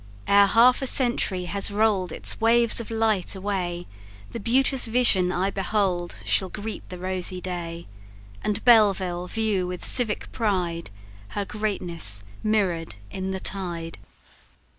Ere half a century has roll'd Its waves of light away, The beauteous vision I behold Shall greet the rosy day; And Belleville view with civic pride Her greatness mirror'd in the tide."